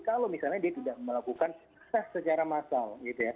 kalau misalnya dia tidak melakukan tes secara massal